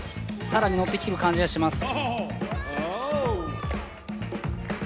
更に乗ってきている感じがします。